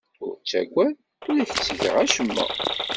Ur ttagad. Ur ak-ttgeɣ acemma.